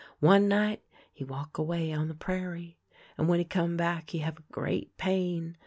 One night he walk away on the prairie, and when he come back he have a great pain.